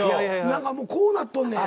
何かもうこうなっとんねや。